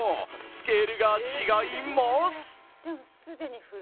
スケールが違います。